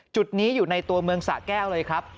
จุดนี้อยู่ในตัวเมืองสะแก้วเลยครับ